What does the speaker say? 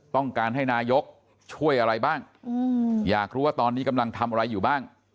ต้องการให้นายกช่วยอะไรบ้างอยากรู้ว่าตอนนี้กำลังทำอะไรอยู่บ้าง